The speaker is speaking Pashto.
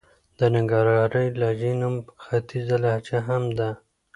د ننګرهارۍ لهجې نوم ختيځه لهجه هم دئ.